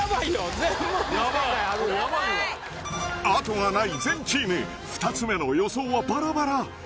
あとがない全チーム２つ目の予想はバラバラ